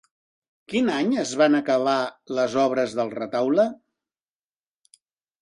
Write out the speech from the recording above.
Quin any es van acabar les obres del retaule?